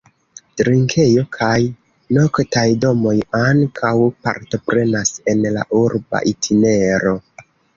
Drinkejo kaj noktaj domoj ankaŭ partoprenas en la urba itinero.